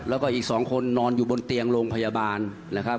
แล้วก็อีก๒คนนอนอยู่บนเตียงโรงพยาบาลนะครับ